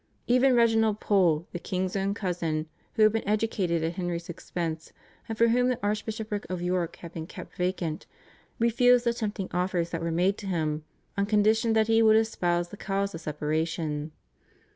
Even Reginald Pole, the king's own cousin, who had been educated at Henry's expense, and for whom the Archbishopric of York had been kept vacant, refused the tempting offers that were made to him on condition that he would espouse the cause of separation.